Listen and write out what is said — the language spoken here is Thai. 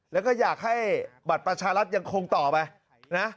แล้วก็อยากให้บัตรประชารัฐยังคงต่อไปนะ